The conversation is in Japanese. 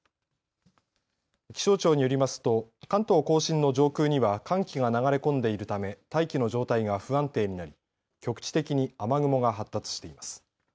気象庁によりますと関東甲信の上空には寒気が流れ込んでいるため大気の状態が不安定になり局地的に雨雲が発達しています。